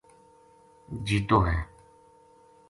جیتو ہے